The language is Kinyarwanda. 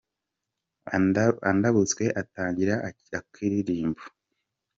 Andabutswe atangira akaririmbo